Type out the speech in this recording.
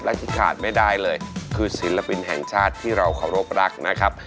และที่ขาดไม่ได้เลยคือศิลปินแห่งชาติที่เราเคารพรักนะครับ